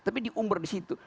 tapi diumber di situ